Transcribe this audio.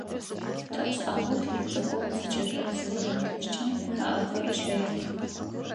Тӏэкӏу шӏагъэу тхылъ цӏыкӏоу зыкӏышъо жъыурэм дэжькӏэ ыӏэхэр ыщэигъэх.